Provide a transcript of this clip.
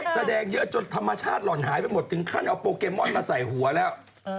แสดงเยอะจนธรรมชาติหล่อนหายไปหมดถึงขั้นเอาโปเกมอนมาใส่หัวแล้ว